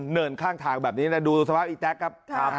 เนินข้างทางแบบนี้นะดูสภาพอีแต๊กครับ